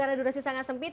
karena durasi sangat sempit